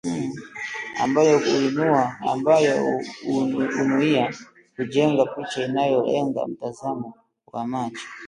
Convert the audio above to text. ambayo hunuia kujenga picha inayolenga mtazamo wa macho